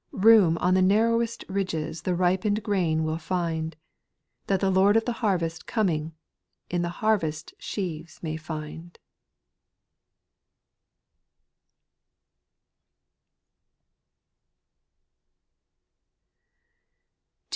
Room on the narrowest ridges The ripen'd grain will find ; That the Lord of the harvest coming, In the harvest sheaves may find.